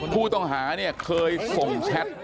ผู้ต้องหาเนี่ยเคยส่งแชท